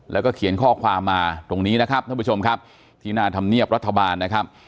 แล้วก็เขียนข้อความมาตรงนี้นะครับท่านผู้ชมครับที่หน้าธรรมเนียบรัฐบาลนะครับ